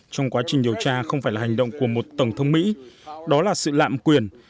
trong quá trình điều tra không phải là hành động của một tổng thống mỹ đó là sự lạm quyền